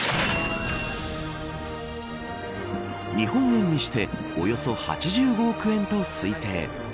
日本円にしておよそ８５億円と推定。